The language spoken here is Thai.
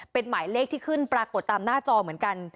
เป็นหมายเลขที่ขึ้นปรากฏตามหน้าจอเหมือนกัน